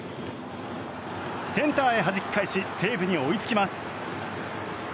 センターへはじき返し西武に追いつきます。